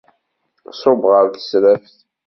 Ṣubb ɣer tesraft.